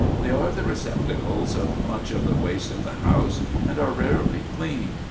They are the receptacles of much of the waste of the house, and are rarely cleaned.